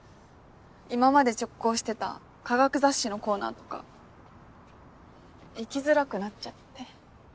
今まで直行してた科学雑誌のコーナーとか行きづらくなっちゃって。